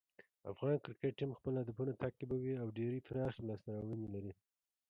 افغان کرکټ ټیم خپل هدفونه تعقیبوي او ډېرې پراخې لاسته راوړنې لري.